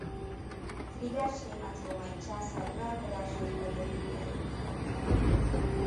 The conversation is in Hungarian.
Frigyes német-római császár uralkodása idején újjáépítették.